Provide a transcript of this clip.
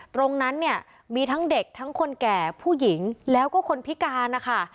ตรงนั้นเนี่ยมีทั้งเด็กทั้งคนแก่ผู้หญิงแล้วก็คนพิการนะคะ